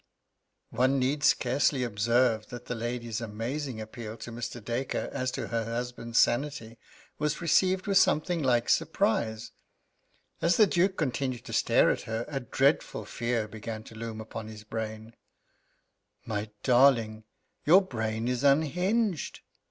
One need scarcely observe that the lady's amazing appeal to Mr. Dacre as to her husband's sanity was received with something like surprise. As the Duke continued to stare at her, a dreadful fear began to loom upon his brain: "My darling, your brain is unhinged!"